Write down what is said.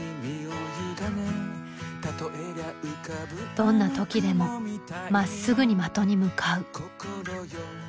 どんな時でもまっすぐに的に向かう。